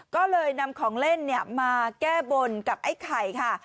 ก็เลยนำของเล่นมาแก้บนกับไอ้ไข่ค่ะ